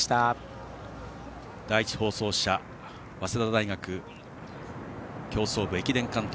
第１放送車早稲田大学競走部駅伝監督